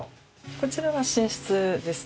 こちらは寝室ですね。